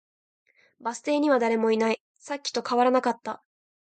バス停には誰もいない。さっきと変わらなかった。